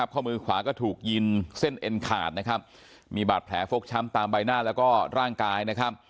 ข้อมือขวาก็ถูกยินเส้นเอ็นขาดมีบาดแผลฟกช้ำตามใบหน้าและร่างกาย